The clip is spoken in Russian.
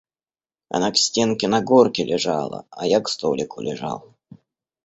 Она к стенке на горке лежала, а я к столику лежал.